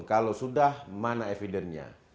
kalau sudah mana evidentnya